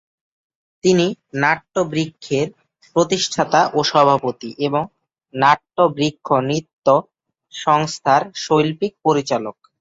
তিনি নাট্য-বৃক্ষের প্রতিষ্ঠাতা ও সভাপতি এবং নাট্য বৃক্ষ নৃত্য সংস্থার শৈল্পিক পরিচালক।